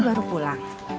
kamu baru pulang